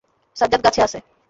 সাজ্জাদ গাছে আছে।